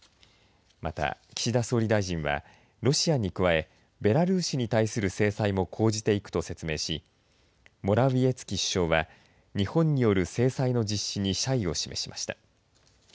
また岸田総理大臣はロシアに加え、ベラルーシに対する制裁も講じていくと説明しモラウィエツキ首相は日本による制裁の実施に謝意を示しました。